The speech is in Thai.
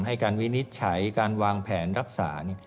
ให้การวินิจฉัยการวางแผนรักษา